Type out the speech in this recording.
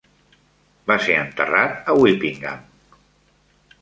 Va ser enterrat a Whippingham.